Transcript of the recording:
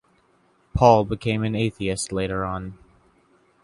Paul became an atheist later on.